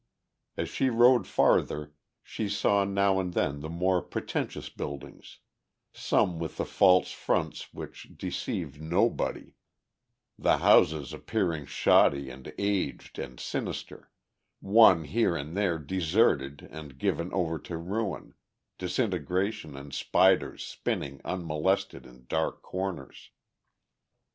As she rode farther she saw now and then the more pretentious buildings, some with the false fronts which deceived nobody, the houses appearing shoddy and aged and sinister, one here and there deserted and given over to ruin, disintegration and spiders spinning unmolested in dark corners.